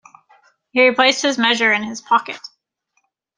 He replaced his measure in his pocket.